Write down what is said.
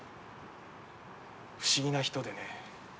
不思議な人でね。